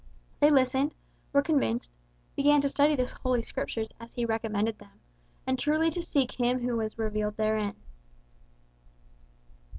They listened, were convinced, began to study the Holy Scriptures as he recommended them, and truly to seek Him who is revealed therein."